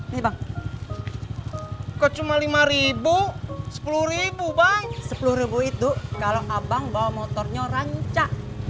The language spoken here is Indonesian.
memang kau cuma rp lima sepuluh bang sepuluh itu kalau abang bawa motornya ranca